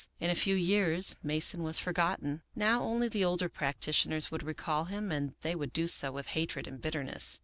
In a few years Mason was forgotten. Now only the older practitioners would recall him, and they would do so with hatred and bitterness.